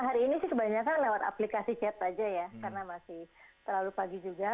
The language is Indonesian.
hari ini sih kebanyakan lewat aplikasi chat aja ya karena masih terlalu pagi juga